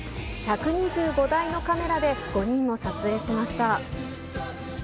１２５台のカメラで５人を撮影しました。